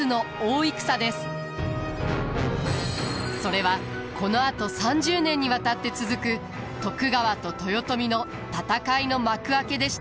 それはこのあと３０年にわたって続く徳川と豊臣の戦いの幕開けでした。